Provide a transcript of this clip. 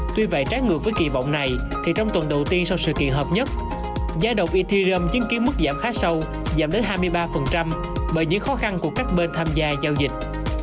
tuy vậy trái ngược với kỳ vọng này thì trong tuần đầu tiên sau sự kiện hợp nhất giá đồng ethi râu chứng kiến mức giảm khá sâu giảm đến hai mươi ba bởi những khó khăn của các bên tham gia giao dịch